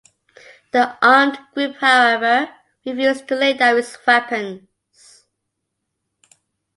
The armed group, however, refused to lay down its weapons.